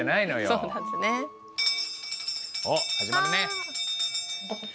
おっ始まるね。